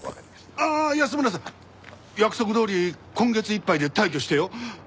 ああ安村さん約束どおり今月いっぱいで退去してよ。